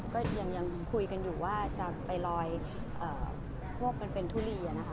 ก็ยังคุยกันอยู่ว่าจะไปลอยพวกมันเป็นทุเรียนนะคะ